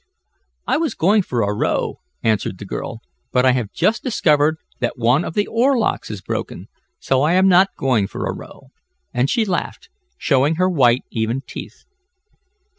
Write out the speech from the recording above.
"I was going for a row," answered the girl, "but I have just discovered that one of the oar locks is broken, so I am not going for a row," and she laughed, showing her white, even teeth.